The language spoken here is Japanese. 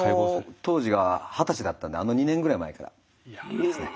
あの当時が二十歳だったんであの２年ぐらい前からですね。